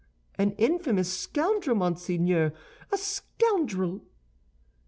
"An infamous scoundrel, monseigneur, a scoundrel!"